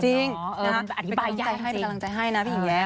จริงมันเป็นกำลังใจให้นะพี่หญิงแยะ